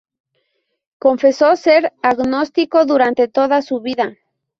Confesó ser agnóstico durante toda su vida.